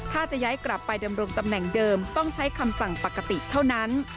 ถ้าจะย้ายกลับไปดำรงตำแหน่งเดิมต้องใช้คำสั่งปกติเท่านั้น